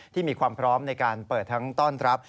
มีความพร้อมในการเปิดทั้งต้อนรับ